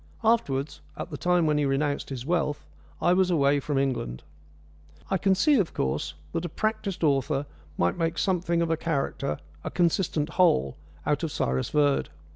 Afterwards, at the time when he renounced his wealth, I was away from England. I can see, of course, that a practised author might make something of a character a consistent whole out of Cyrus Verd.